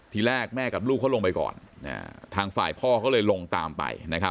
ทีแรกแม่กับลูกเขาลงไปก่อนทางฝ่ายพ่อเขาเลยลงตามไป